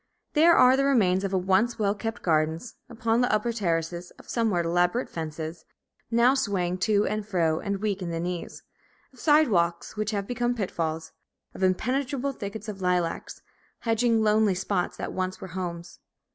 There are the remains of once well kept gardens, upon the upper terraces; of somewhat elaborate fences, now swaying to and fro and weak in the knees; of sidewalks which have become pitfalls; of impenetrable thickets of lilacs, hedging lonely spots that once were homes.